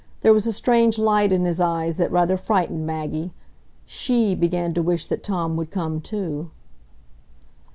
There was a strange light in his eyes that rather frightened Maggie; she began to wish that Tom would come, too.